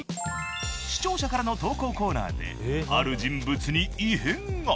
［視聴者からの投稿コーナーである人物に異変が］